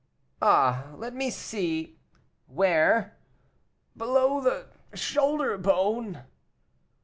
"Ah, let me see; where?" "Below the shoulder bone."